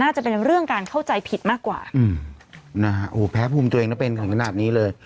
จะเป็นเรื่องการเข้าใจผิดมากกว่าอืมนะฮะโอ้โหแพ้ภูมิตัวเองแล้วเป็นถึงขนาดนี้เลย